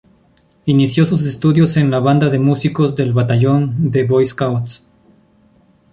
Inició sus estudios en la Banda de Músicos del Batallón de Boys Scouts.